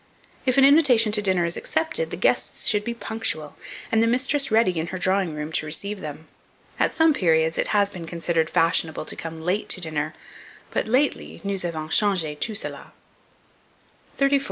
If an invitation to dinner is accepted, the guests should be punctual, and the mistress ready in her drawing room to receive them. At some periods it has been considered fashionable to come late to dinner, but lately nous avons changé tout cela. 34.